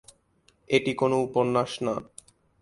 এটি কোনো উপন্যাস না।